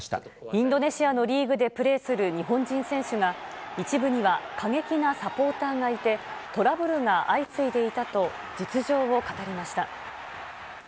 インドネシアのリーグでプレーする日本人選手が、一部には過激なサポーターがいて、トラブルが相次いでいたと、実情を語りました。